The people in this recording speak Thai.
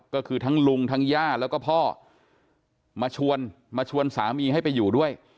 ก็คือทั้งลุงทั้งย่าแล้วก็พ่อมาชวนมาชวนสามีให้ไปอยู่ด้วย